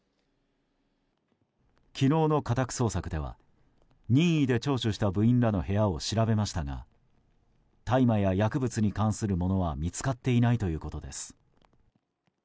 昨日の家宅捜索では任意で聴取した部員らの部屋を調べましたが大麻や薬物に関するものは見つかっていないということです。